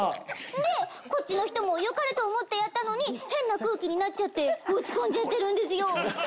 でこっちの人も良かれと思ってやったのに変な空気になっちゃって落ち込んじゃってるんですよ。